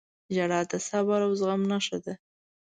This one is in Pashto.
• ژړا د صبر او زغم نښه ده.